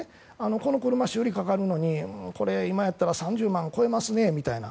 この車、修理にかかるのに今やったら３０万超えますねみたいな。